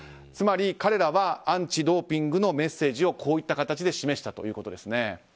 つまり彼らはアンチ・ドーピングのメッセージをこういった形で示したということです。